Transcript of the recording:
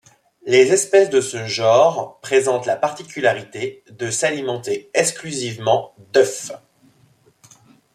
Les espèces de ce genre présentent la particularité de s'alimenter exclusivement d’œufs.